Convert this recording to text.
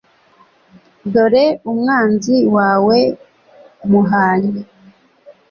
dore umwanzi wawe muhanye